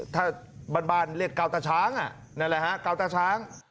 ถ้าบ้านเรียกเกาตาช้างนั่นแหละฮะเกาตาช้าง